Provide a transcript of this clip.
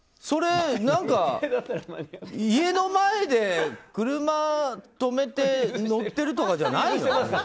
それ、家の前で車止めて乗ってるとかじゃないの？